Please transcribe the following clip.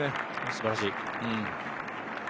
すばらしい。